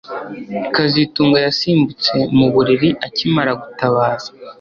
kazitunga yasimbutse mu buriri akimara gutabaza